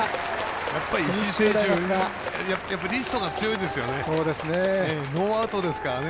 やっぱり石井選手リストが強いですからね。